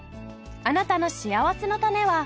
あなたのしあわせのたねは今どこに？